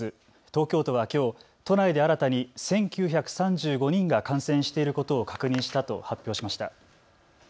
東京都はきょう都内で新たに１９３５人が感染していることを確認したと発表しました。